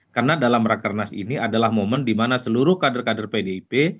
karena dalam rakernas ini adalah momen di mana seluruh kader kader pdip